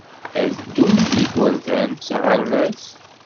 Ad ddun ed yigerdan s aɣerbaz.